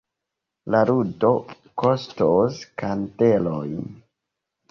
La ludo kostos kandelojn.